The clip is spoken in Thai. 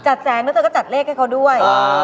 จัดแสงแล้วก็จัดเลขให้เขาด้วย